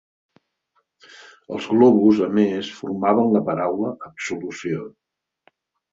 Els globus, a més, formaven la paraula ‘absolució’.